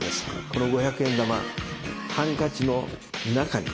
この五百円玉ハンカチの中に。